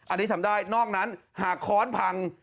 อันนี้ทำได้นอกนั้นหากค้อนพัง